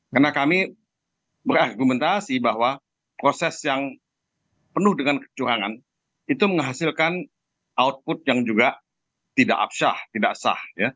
karena kami berargumentasi bahwa proses yang penuh dengan kecurangan itu menghasilkan output yang juga tidak absyah tidak sah